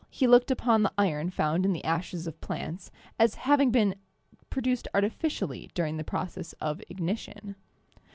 he looked upon the iron found in the ashes of plants as having been pro duced artificially during the process of ignition.